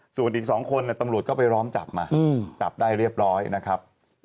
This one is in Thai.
ส่วนอีก๒คนตำรวจก็ไปล้อมจับมาจับได้เรียบร้อยนะครับ